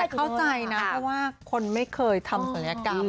เข้าใจนะเพราะว่าคนไม่เคยทำศัลยกรรม